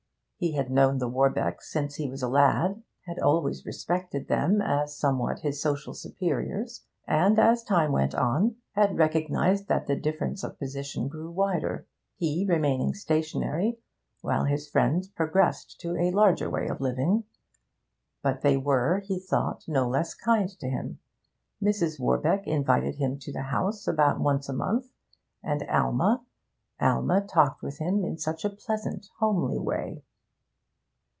He had known the Warbecks since he was a lad, had always respected them as somewhat his social superiors, and, as time went on, had recognised that the difference of position grew wider: he remaining stationary, while his friends progressed to a larger way of living. But they were, he thought, no less kind to him; Mrs. Warbeck invited him to the house about once a month, and Alma Alma talked with him in such a pleasant, homely way.